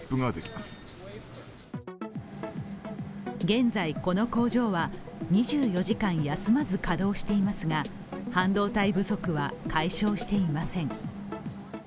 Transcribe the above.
現在、この工場は２４時間休まず稼働していますが半導体不足は解消していません。